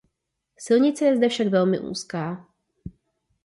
Silnice je zde však velmi úzká.